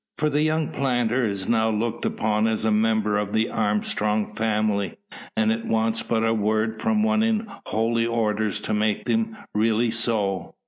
For the young planter is now looked upon as a member of the Armstrong family, and it wants but a word from one in holy orders to make him really so.